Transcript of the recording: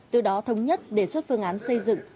từ đó thống nhất đề xuất phương án xây dựng